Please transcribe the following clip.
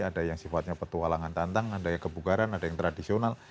ada yang sifatnya petualangan tantang ada yang kebugaran ada yang tradisional